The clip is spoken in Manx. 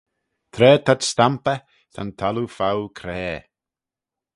Tra t'ad stampey, ta'n thalloo foue craa.